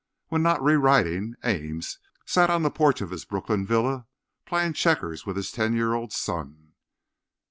When not rewriting, Ames sat on the porch of his Brooklyn villa playing checkers with his ten year old son.